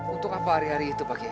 untuk apa ari ari itu pak kek